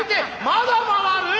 まだ回る？